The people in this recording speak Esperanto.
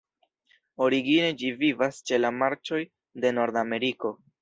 Origine ĝi vivas ĉe la marĉoj de Nordameriko.